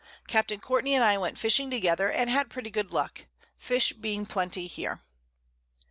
Captain Courtney and I went a fishing together, and had pretty good Luck, Fish being plenty here.